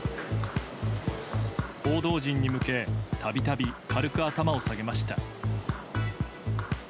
報道陣に向けたびたび軽く頭を下げました。